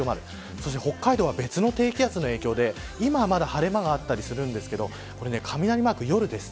そして北海道は別の低気圧の影響で今は、晴れ間がありますが雷マーク、夜です。